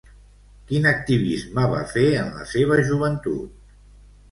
Quin activisme va fer en la seva joventut?